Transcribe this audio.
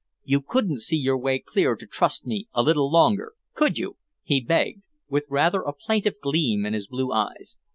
You couldn't see your way clear to trust me a little longer, could you?" he begged, with rather a plaintive gleam in his blue eyes.